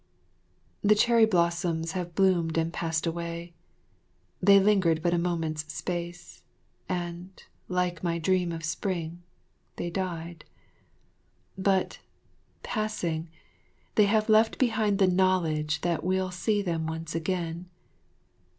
The cherry blossoms have bloomed and passed away. They lingered but a moment's space, and, like my dream of spring, they died. But, passing, they have left behind the knowledge that we'll see them once again.